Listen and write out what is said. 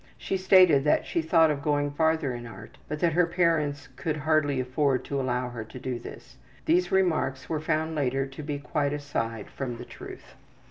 She stated that she thought of going farther in art, but that her parents could hardly afford to allow her to do this. These remarks were found later to be quite aside from the truth.